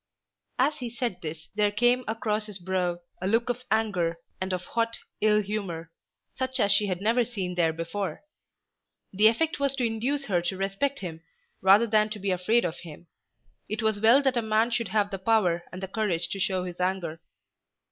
As he said this there came across his brow a look of anger and of hot ill humour, such as she had never seen there before. The effect was to induce her to respect him rather than to be afraid of him. It was well that a man should have the power and the courage to show his anger.